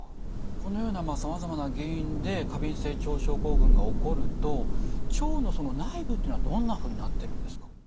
このようなさまざまな原因で過敏性腸症候群が起こると腸のその内部っていうのはどんなふうになってるんですか？